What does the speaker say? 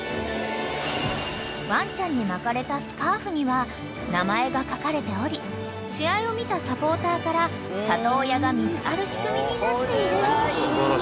［ワンちゃんに巻かれたスカーフには名前が書かれており試合を見たサポーターから里親が見つかる仕組みになっている］